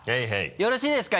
よろしいですか？